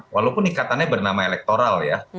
walaupun ikatannya bernama elektoral ya